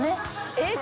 えっ！